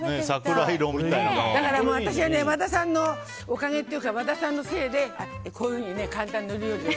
私は和田さんのおかげというか和田さんのせいでこういうふうに簡単な料理をさ。